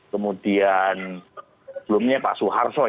kemudian sebelumnya pak suharto